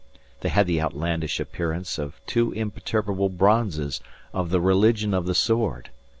They had the outlandish appearance of two imperturbable bronzes of the religion of the sword.